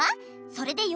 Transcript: それでよ